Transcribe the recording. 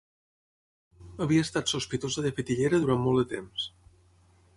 Havia estat sospitosa de fetillera durant molt de temps.